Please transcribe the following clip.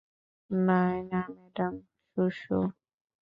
Naina madam, সুসু!